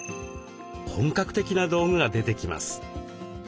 本格的な道具が出てきます。